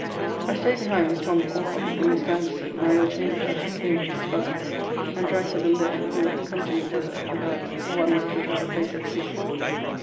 I staid behind with Tom Alcock and Mr. Anderson, my old chamber fellow at Cambridge his brother, and drank with them there, who were come to me thither about one that would have a place at sea.